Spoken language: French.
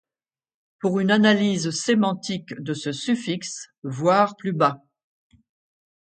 Pour une analyse sémantique de ce suffixe, voir plus bas.